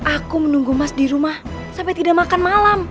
aku menunggu mas dirumah sampai tidak makan malam